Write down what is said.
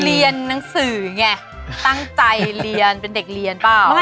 เรียนหนังสือไงตั้งใจเรียนเป็นเด็กเรียนเปล่า